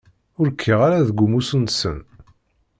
Ur kkiɣ ara deg umussu-nsen!